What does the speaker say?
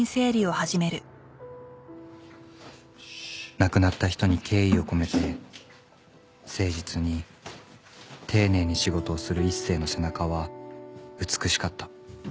亡くなった人に敬意を込めて誠実に丁寧に仕事をする一星の背中は美しかった。